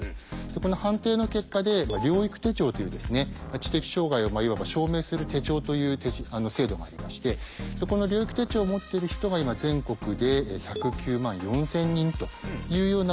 この判定の結果で「療育手帳」という知的障害をいわば証明する手帳という制度がありましてこの療育手帳を持っている人が今全国で１０９万４，０００人というようなのが今の状況ですね。